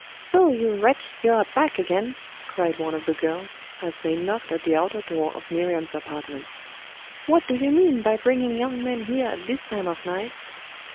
'So' you wretch, you are back again!' cried one of the girls, as they knocked at the outer door of Miriam's apartments. 'What do you mean by bringing young men here at this time of night?